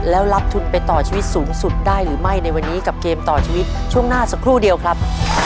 แล้วรับทุนไปต่อชีวิตสูงสุดได้หรือไม่ในวันนี้กับเกมต่อชีวิตช่วงหน้าสักครู่เดียวครับ